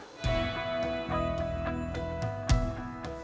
keberhasilan titi winarti mendidik perempuan ini